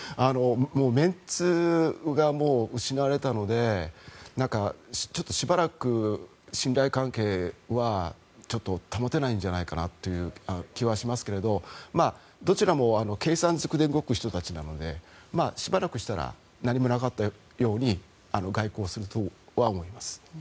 メンツが失われたのでしばらく、信頼関係はちょっと保てないんじゃないかなという気はしますけれどもどちらも計算ずくで動く人たちなのでしばらくしたら何もなかったように外交するとは思います。